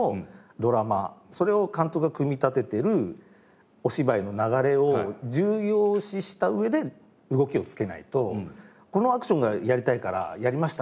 ドラマそれを監督が組み立てているお芝居の流れを重要視した上で動きをつけないと「このアクションがやりたいからやりました」